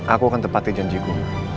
aku akan tepati janjiku